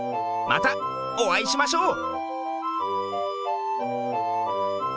またおあいしましょう。